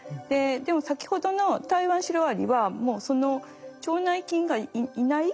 でも先ほどのタイワンシロアリはもうその腸内菌がいない。